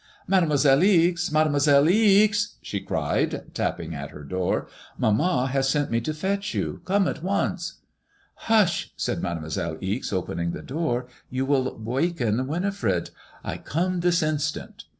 ^* Mademoiselle Ixe I Made moiselle Ixe I " she cried, tapping at her door, mamma has sent me to fetch you. Come at once." '* Hush I " said Mademoiselle Ixe, opening the door. You will waken Winifred. I come, this instant."